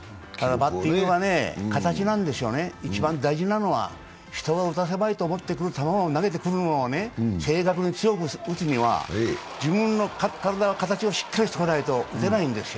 バッティングは形なんですよね、一番大事なのは、人が打たせないという球を投げてくるのを正確に強く打つには自分の体の形をしっかりしておかないと打てないんですよ。